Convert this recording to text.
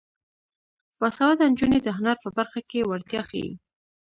باسواده نجونې د هنر په برخه کې وړتیا ښيي.